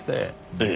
ええ。